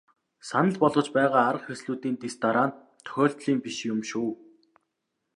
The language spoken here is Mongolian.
Санал болгож байгаа арга хэрэгслүүдийн дэс дараа нь тохиолдлын биш юм шүү.